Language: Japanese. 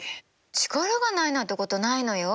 力がないなんてことないのよ。